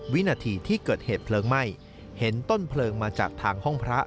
วินาทีที่เกิดเหตุเพลิงไหม้เห็นต้นเพลิงมาจากทางห้องพระ